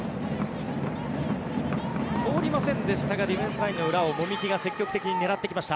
通りませんでしたがディフェンスラインの裏を籾木が積極的に狙っていきました。